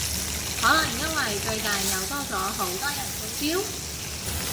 可能因為最近又多咗好多人中招？